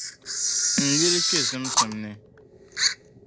n lili kpe zibisim ni.